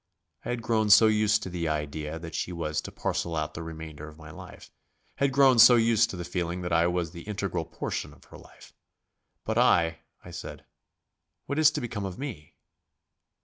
I had grown so used to the idea that she was to parcel out the remainder of my life, had grown so used to the feeling that I was the integral portion of her life ... "But I " I said, "What is to become of me?"